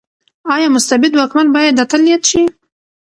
ايا مستبد واکمن بايد اتل ياد شي؟